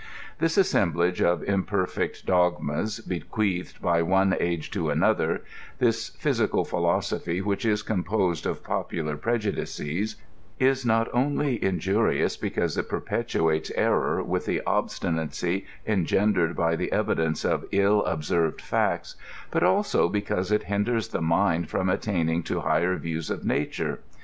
This assemblage of imperfect dogmas, bequeathed by one age to another — ^this physical philosophy, which is composed of popular prejudices — ^is not only injurious because it perpet uates error with the obstinacy engend^ed by the evidence of ill observed facts, but also because it hinders the mind from attaining to higher views of nature.